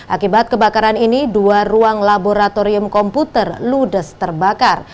akibat kebakaran ini dua ruang laboratorium komputer ludes terbakar